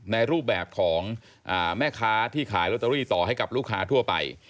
ในรูปแบบของแม่ค้าที่ขายลอตเตอรี่ต่อให้กับลูกค้าทั่วไป